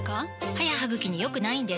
歯や歯ぐきに良くないんです